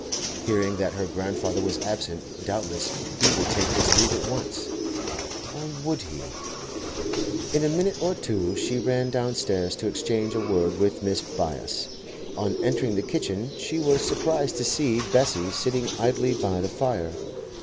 Hearing that her grandfather was absent, doubtless he would take his leave at once. Or, would he— In a minute or two she ran downstairs to exchange a word with Mrs. Byass. On entering the kitchen she was surprised to see Bessie sitting idly by the fire.